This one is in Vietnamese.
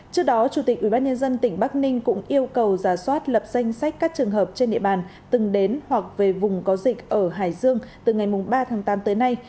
trước đó chủ tịch ubnd tỉnh bắc ninh cũng yêu cầu giả soát lập danh sách các trường hợp trên địa bàn từng đến hoặc về vùng có dịch ở hải dương từ ngày ba tháng tám tới nay